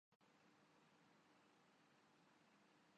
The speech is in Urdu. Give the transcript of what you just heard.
انگولا